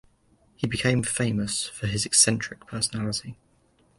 He became famous for his eccentric personality.